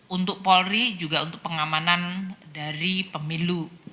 untuk polri juga untuk pengamanan dari pemilu